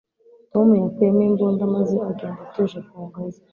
Tom yakuyemo imbunda maze agenda atuje ku ngazi